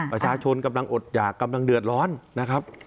ประชาชนกำลังอดหยากกำลังเดือดร้อนนะครับ